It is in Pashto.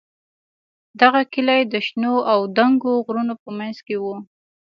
دغه کلی د شنو او دنګو غرونو په منځ کې و.